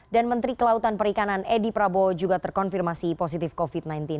dan menteri kelautan perikanan edy prabowo juga terkonfirmasi positif covid sembilan belas